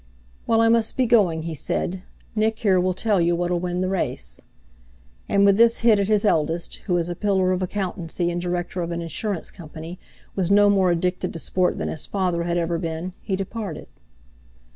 "Well, I must be going," he said, "Nick here will tell you what'll win the race." And with this hit at his eldest, who, as a pillar of accountancy, and director of an insurance company, was no more addicted to sport than his father had ever been, he departed.